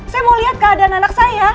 saya mau lihat keadaan anak saya